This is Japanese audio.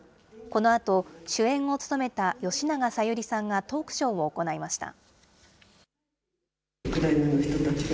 このあと、主演を務めた吉永小百合さんがトークショーを行いました。